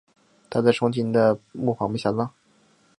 她在双亲的墓旁被下葬。